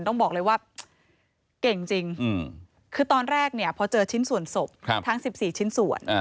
ต้องบอกเลยว่าเก่งจริงคือตอนแรกเนี่ยพอเจอชิ้นส่วนศพทั้ง๑๔ชิ้นส่วน